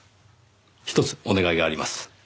ひとつお願いがあります。